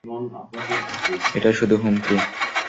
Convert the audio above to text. এটা শুধু হুমকি।